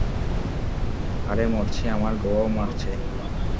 আরে মরছে, আমার গোয়াও মারছে।